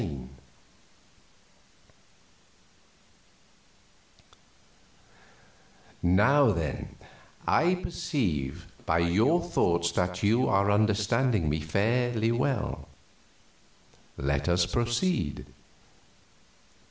"Now, then, I perceive by your thoughts that you are understanding me fairly well. Let us proceed.